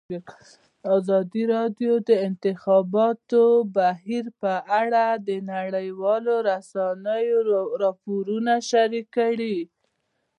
ازادي راډیو د د انتخاباتو بهیر په اړه د نړیوالو رسنیو راپورونه شریک کړي.